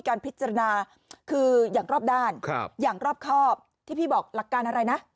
การพิจารณาคืออย่างรอบด้านอย่างรอบครอบที่พี่บอกหลักการอะไรนะ